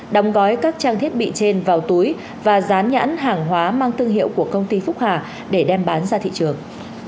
đóng gói các trang thiết bị trên vào túi và dán nhãn hàng hóa mang thương hiệu của công ty phúc hà để đem bán ra thị trường